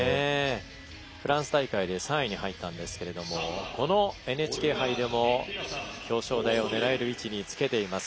フランス大会で３位に入ったんですけどもこのＮＨＫ杯でも表彰台を狙える位置につけています。